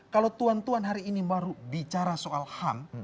kalau tuan tuan hari ini baru bicara soal ham